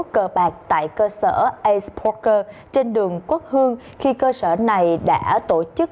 cờ bạc tại cơ sở as poker trên đường quốc hương khi cơ sở này đã tổ chức